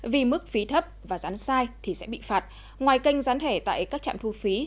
vì mức phí thấp và gián sai thì sẽ bị phạt ngoài kênh gián thẻ tại các trạm thu phí